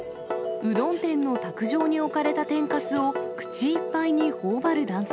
うどん店の卓上に置かれた天かすを口いっぱいにほおばる男性。